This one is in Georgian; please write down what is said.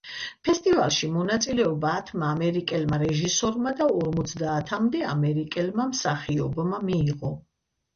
ფესტივალში მონაწილეობა ათმა ამერიკელმა რეჟისორმა და ორმოცდაათამდე ამერიკელმა მსახიობმა მიიღო.